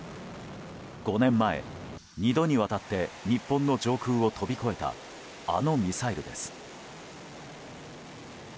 ５年前、２度にわたって日本の上空を飛び越えたあのミサイルです。